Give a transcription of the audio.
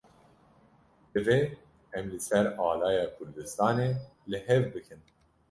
Divê em li ser alaya Kurdistanê li hev bikin.